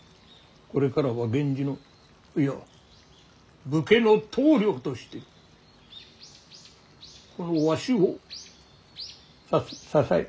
これからは源氏のいや武家の棟梁としてこのわしをさ支え。